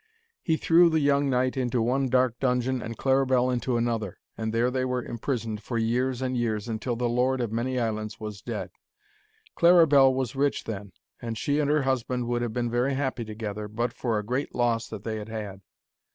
He threw the young knight into one dark dungeon and Claribel into another, and there they were imprisoned for years and years, until the Lord of Many Islands was dead. Claribel was rich then, and she and her husband would have been very happy together, but for a great loss that they had had.